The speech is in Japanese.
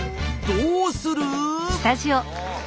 どうする！？